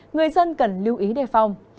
người dân cần lưu ý đề phòng